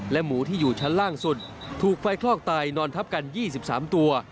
หมูที่อยู่ชั้นล่างสุดถูกไฟคลอกตายนอนทับกัน๒๓ตัว